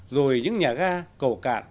rồi những nhà ga cầu cạn